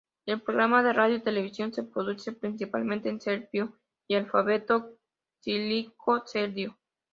El programa de radio televisión se produce principalmente en serbio y alfabeto cirílico serbio.